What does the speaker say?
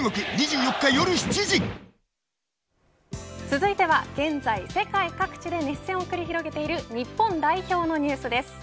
続いては現在世界各地で熱戦を繰り広げている日本代表のニュースです。